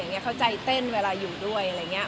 มันยังได้น้ำเนื้อเลยนะ